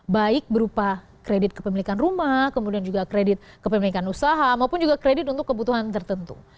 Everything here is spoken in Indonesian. baik berupa kredit kepemilikan rumah kemudian juga kredit kepemilikan usaha maupun juga kredit untuk kebutuhan tertentu